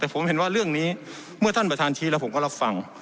แต่ผมเห็นว่าเรื่องนี้เมื่อท่านประธานชี้แล้วผมก็รับฟัง